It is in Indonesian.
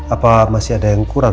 apa masih ada yang kurang